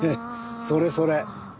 それそれ。